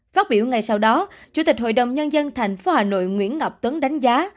phát biểu ngay sau đó chủ tịch hội đồng nhân dân tp hà nội nguyễn ngọc tuấn đánh giá